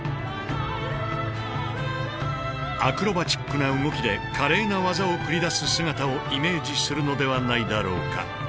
アクロバチックな動きで華麗な技を繰り出す姿をイメージするのではないだろうか？